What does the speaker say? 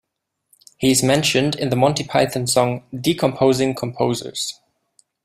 He is mentioned in the Monty Python song "Decomposing Composers".